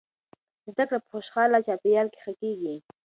زده کړه په خوشحاله چاپیریال کې ښه کیږي.